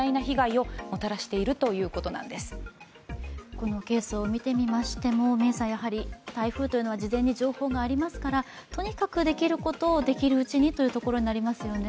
このケースを見てみましても台風というのは事前に情報がありますから、とにかくできることをできるうちにということになりますよね。